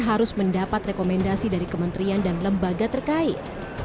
harus mendapat rekomendasi dari kementerian dan lembaga terkait